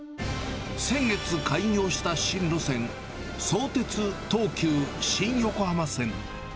先月開業した新路線、相鉄・東急新横浜線。